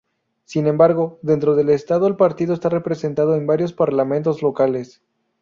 Sin embargo, dentro del estado el partido está representado en varios parlamentos locales.